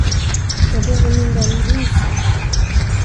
Jag behöver min vän Vincent.